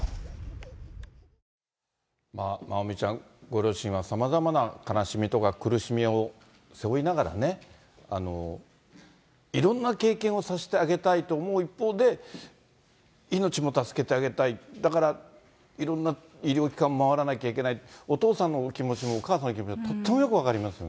まおみちゃん、ご両親はさまざまな悲しみとか苦しみを背負いながらね、いろんな経験をさせてあげたいと思う一方で、命も助けてあげたい、だからいろんな医療機関回らなきゃいけない、お父さんのお気持ちもお母さんの気持ちもとってもよく分かります。